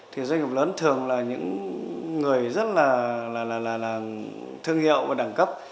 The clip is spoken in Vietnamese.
thì doanh nghiệp lớn thường là những người rất là thương hiệu và đẳng cấp